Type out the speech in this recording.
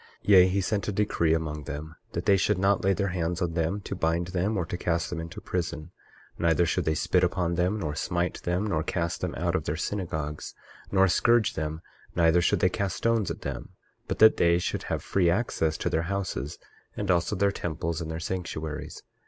23:2 Yea, he sent a decree among them, that they should not lay their hands on them to bind them, or to cast them into prison; neither should they spit upon them, nor smite them, nor cast them out of their synagogues, nor scourge them; neither should they cast stones at them, but that they should have free access to their houses, and also their temples, and their sanctuaries.